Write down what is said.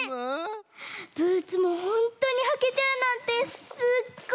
ブーツもほんとにはけちゃうなんてすっごい！